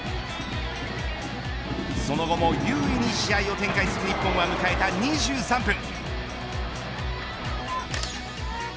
その後も有利に試合を展開する日本は迎えた２３分。